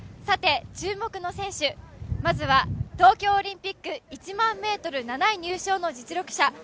注目の選手、まずは東京オリンピック１００００ｍ７位入賞の実力者